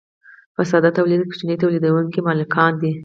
په ساده تولید کې کوچني تولیدونکي مالکان دي.